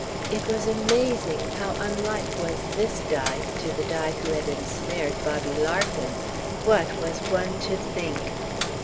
It was amazing how unlike was this Di to the Di who had ensnared Bobby Larkin. What was one to think?